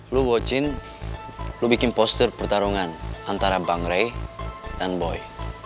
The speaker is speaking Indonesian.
lo watchin lo bikin poster pertarungan antara bang ray dan boy